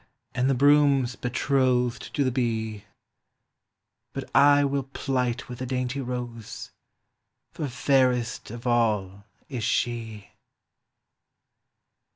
And the broom 's betrothed to the bee; — But I will plight with the dainty rose, For fairest of all is she.